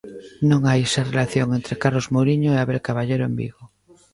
Non hai esa relación entre Carlos Mouriño e Abel Caballero en Vigo.